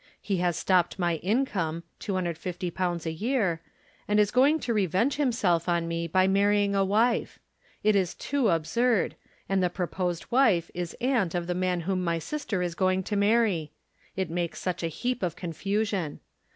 He has stopped my income, two hundred and fifty pounds a year, and is going to revenge himself on me by marrying a wife. It is too absurd, and the proposed wife is aunt of the man whom my sister is going to marry. It makes such a heap of confusion.